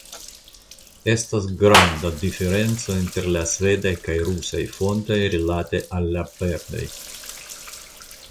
Estas granda diferenco inter la svedaj kaj rusaj fontoj rilate al la perdoj.